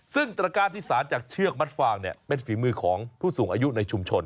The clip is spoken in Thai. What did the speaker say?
ซึ่งตระการที่สารจากเชือกมัดฟางเป็นฝีมือของผู้สูงอายุในชุมชน